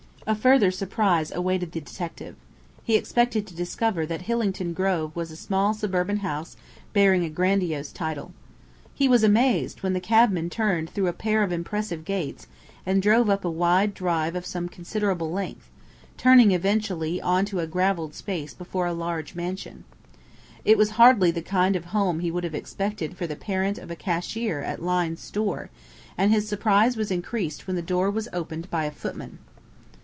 A further surprise awaited the detective. He expected to discover that Hillington Grove was a small suburban house bearing a grandiose title. He was amazed when the cabman turned through a pair of impressive gates, and drove up a wide drive of some considerable length, turning eventually on to a gravelled space before a large mansion. It was hardly the kind of home he would have expected for the parent of a cashier at Lyne's Store, and his surprise was increased when the door was opened by a footman.